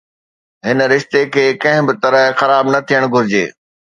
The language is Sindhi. هن رشتي کي ڪنهن به طرح خراب نه ٿيڻ گهرجي.